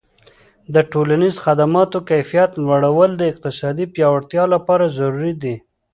د ټولنیزو خدماتو کیفیت لوړول د اقتصادي پیاوړتیا لپاره ضروري دي.